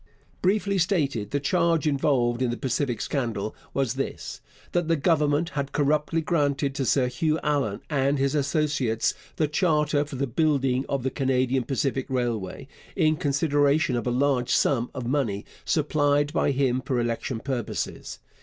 Briefly stated, the charge involved in the Pacific Scandal was this: that the Government had corruptly granted to Sir Hugh Allan and his associates the charter for the building of the Canadian Pacific Railway, in consideration of a large sum of money supplied by him for election purposes.